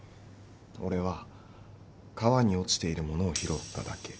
俺は川に落ちているものを拾っただけ。